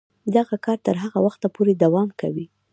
دغه کار تر هغه وخته پورې دوام کوي.